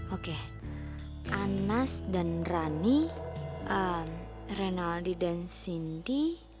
oke anas dan rani rinaldi dan sindi